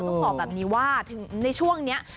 ต้องบอกแบบนี้ว่าถึงในช่วงนี้